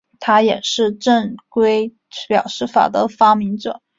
他也是正规表示法的发明者。